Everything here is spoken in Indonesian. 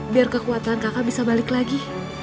biar kekuatan kakak bisa balik lagi